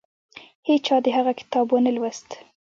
هیچا د هغه کتاب ونه لوست.